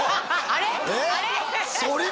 あれ？